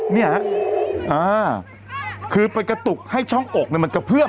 เป็นการกระตุ้นการไหลเวียนของเลือด